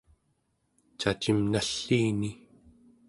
cacim nalliini